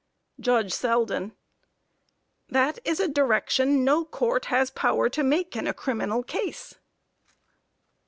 JUDGE SELDEN: That is a direction no Court has power to make in a criminal case.